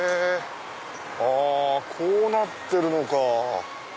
あこうなってるのか。